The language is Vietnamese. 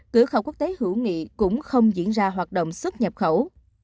cửa khẩu quốc tế hữu nghị cũng không diễn ra hoạt động xuất nhập khẩu